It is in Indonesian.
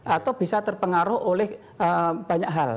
atau bisa terpengaruh oleh banyak hal